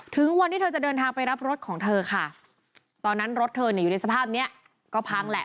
ถึงวันที่เธอจะเดินทางไปรับรถของเธอค่ะตอนนั้นรถเธอเนี่ยอยู่ในสภาพเนี้ยก็พังแหละ